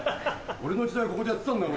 俺の時代ここでやってたんだよ。